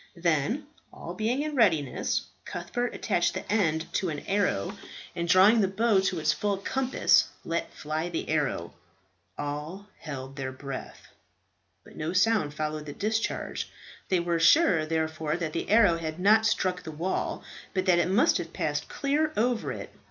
Then, all being in readiness, Cuthbert attached the end to an arrow, and drawing the bow to its full compass, let fly the arrow. All held their breath; but no sound followed the discharge. They were sure, therefore, that the arrow had not struck the wall, but that it must have passed clear over it.